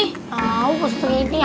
tau pak sri giti ya